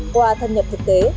qua tham nhập thực tế